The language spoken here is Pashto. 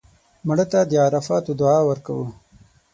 مړه ته د عرفاتو دعا ورکوو